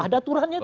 ada aturannya juga